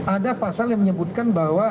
ada pasal yang menyebutkan bahwa